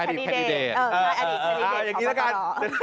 อดีตแคะดดิดเหมือนคนบุหรอ